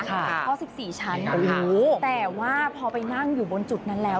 เพราะ๑๔ชั้นแต่ว่าพอไปนั่งอยู่บนจุดนั้นแล้ว